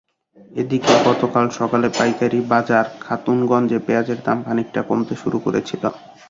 এদিকে গতকাল সকালে পাইকারি বাজার খাতুনগঞ্জে পেঁয়াজের দাম খানিকটা কমতে শুরু করেছিল।